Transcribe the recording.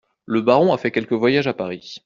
Le Baron a fait quelques voyages à Paris.